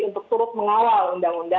untuk turut mengawal undang undang omnibus ini